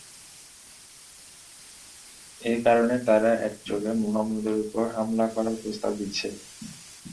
একারণে তারা একযোগে মোহাম্মদের ওপর হামলা করার প্রস্তাব দিচ্ছে।